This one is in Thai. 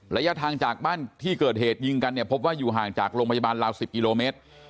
ระยะทางจากบ้านที่เกิดเหตุยิงกันเนี่ยพบว่าอยู่ห่างจากโรงพยาบาลราว๑๐กิโลเมตร